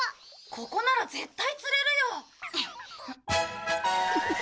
ここなら絶対釣れるよ。